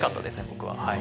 僕は。